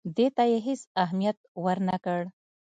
دې ته یې هېڅ اهمیت ورنه کړ.